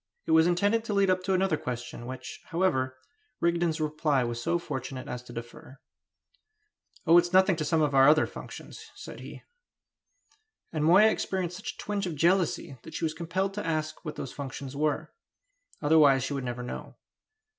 It was intended to lead up to another question, which, however, Rigden's reply was so fortunate as to defer. "Oh, it's nothing to some of our other functions," said he. And Moya experienced such a twinge of jealousy that she was compelled to ask what those functions were; otherwise she would never know.